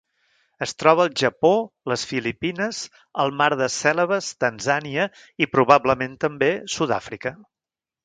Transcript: Es troba al Japó, les Filipines, el Mar de Cèlebes, Tanzània i, probablement també, Sud-àfrica.